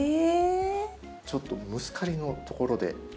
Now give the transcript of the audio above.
ちょっとムスカリのところで。